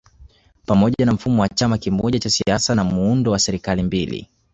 Pamoja na mfumo wa chama kimoja cha siasa na muundo wa serikali mbili